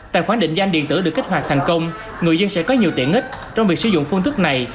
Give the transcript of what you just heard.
tài khoản định danh điện tử được kích hoạt thành công người dân sẽ có nhiều tiện ích trong việc sử dụng phương thức này